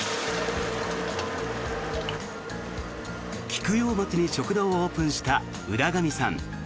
菊陽町に食堂をオープンした浦上さん。